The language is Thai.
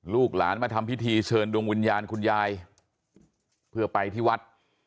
ลูกหลานมาทำพิธีเชิญดวงวิญญาณคุณยายเพื่อไปที่วัด